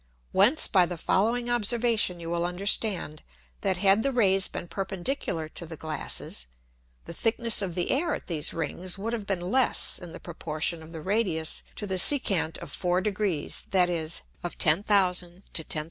Whence by the following Observation you will understand, that had the Rays been perpendicular to the Glasses, the Thickness of the Air at these Rings would have been less in the Proportion of the Radius to the Secant of four Degrees, that is, of 10000 to 10024.